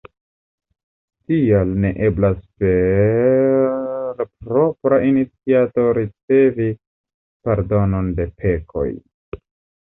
Tial ne eblas per propra iniciato ricevi pardonon de pekoj.